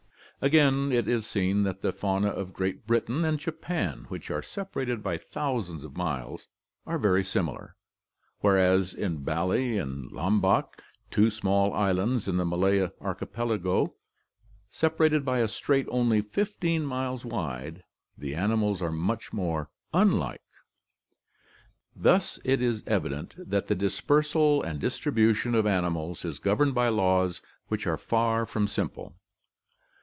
Again, it is seen that the faunae of Great Britain and Japan, which are separated by thousands of miles, are very similar, whereas in Bali and Lombok, two small islands in the Malay Archipelago, 48 GEOGRAPHIC DISTRIBUTION 49 separated by a strait only 15 miles wide, the animals are much more unlike. Thus it is evident that the dispersal and distribution of animals is governed by laws which are far from simple.